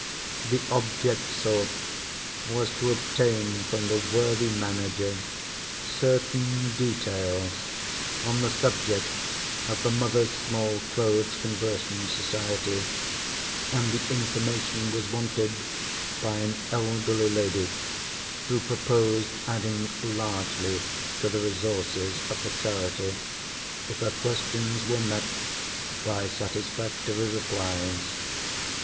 The object sought was to obtain from the worthy manager certain details on the subject of the Mothers' Small Clothes Conversion Society, and the information was wanted by an elderly lady who proposed adding largely to the resources of the charity, if her questions were met by satisfactory replies.